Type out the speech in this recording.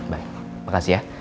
baik makasih ya